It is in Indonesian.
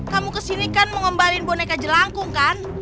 kamu kesini kan mau ngembalikan boneka jelangkung kan